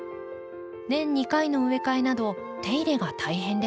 年２回の植え替えなど手入れが大変でした。